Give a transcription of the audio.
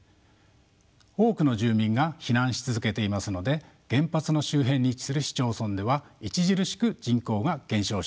多くの住民が避難し続けていますので原発の周辺に位置する市町村では著しく人口が減少しています。